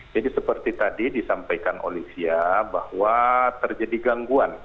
jadi seperti tadi disampaikan olivia bahwa terjadi gangguan